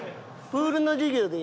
プールの授業で。